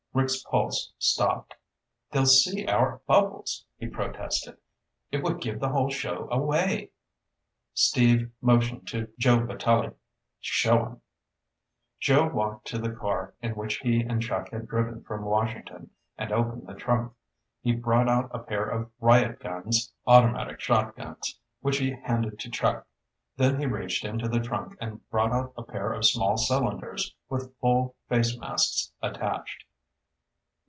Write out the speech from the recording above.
Rick's pulse stopped. "They'll see our bubbles," he protested. "It would give the whole show away!" Steve motioned to Joe Vitalli. "Show 'em." Joe walked to the car in which he and Chuck had driven from Washington, and opened the trunk. He brought out a pair of riot guns, automatic shotguns, which he handed to Chuck, then he reached into the trunk and brought out a pair of small cylinders with full face masks attached.